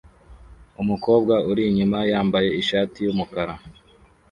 Umukobwa uri inyuma yambaye ishati yumukara